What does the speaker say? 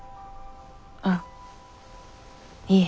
あっいえ。